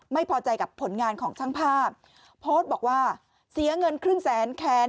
ไม่พอใจกับผลงานของช่างภาพโพสต์บอกว่าเสียเงินครึ่งแสนแค้น